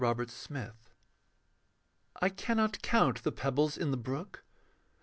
ETERNITIES I cannot count the pebbles in the brook.